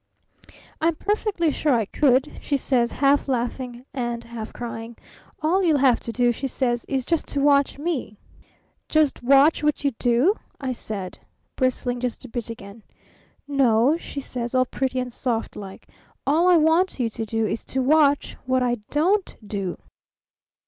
'I'm perfectly sure I could!' she says, half laughing and half crying. 'All you'll have to do,' she says, 'is just to watch me!' 'Just watch what you do?' I said, bristling just a bit again. 'No,' she says, all pretty and soft like; 'all I want you to do is to watch what I don't do!'"